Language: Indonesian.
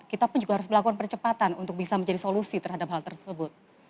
kita pun juga harus melakukan percepatan untuk bisa menjadi solusi terhadap hal tersebut